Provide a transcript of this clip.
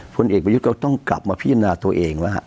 ผลเอกประยุทธ์ก็ต้องกลับมาพิจารณาตัวเองแล้วฮะ